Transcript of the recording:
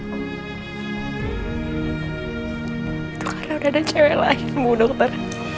itu karena udah ada cewek lain bu dokter